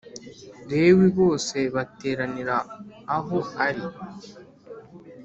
Lewi bose bateranira aho ari